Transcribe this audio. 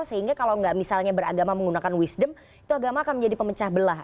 sehingga kalau nggak misalnya beragama menggunakan wisdom itu agama akan menjadi pemecah belah